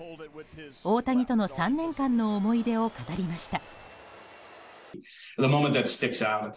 大谷との３年間の思い出を語りました。